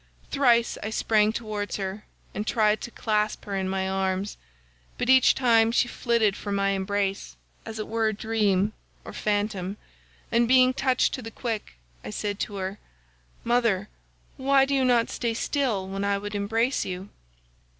Thrice I sprang towards her and tried to clasp her in my arms, but each time she flitted from my embrace as it were a dream or phantom, and being touched to the quick I said to her, 'Mother, why do you not stay still when I would embrace you?